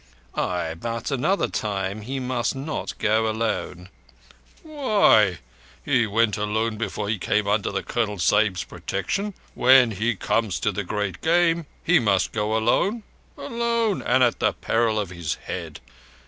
"Ay, but another time he must not go alone." "Why? He went alone before he came under the Colonel Sahib's protection. When he comes to the Great Game he must go alone—alone, and at peril of his head.